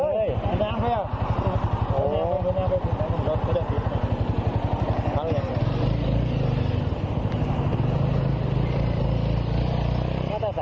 นี่ก็ถือมาเจ้าประชานี่ก็ถือมาเจ้าประชา